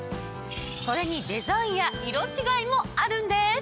それにデザインや色違いもあるんです！